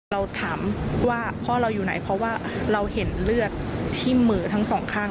เราถามว่าพ่อเราอยู่ไหนเพราะว่าเราเห็นเลือดที่มือทั้งสองข้าง